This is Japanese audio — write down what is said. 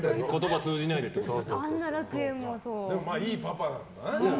でも、いいパパなんだね。